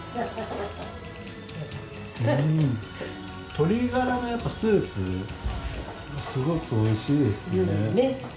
鶏ガラのスープすごく美味しいですね。